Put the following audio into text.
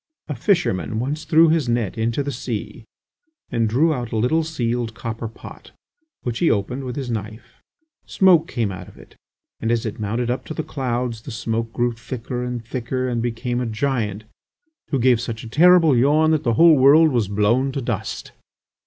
"A fisherman once threw his net into the sea and drew out a little, sealed, copper pot, which he opened with his knife. Smoke came out of it, and as it mounted up to the clouds the smoke grew thicker and thicker and became a giant who gave such a terrible yawn that the whole world was blown to dust...."